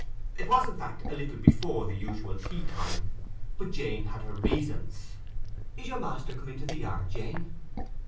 It was, in fact, a little before the usual time for tea; but Jane had her reasons. "Is your master come into the yard, Jane?"